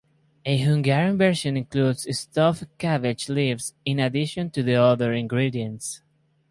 A Hungarian version includes stuffed cabbage leaves in addition to the other ingredients.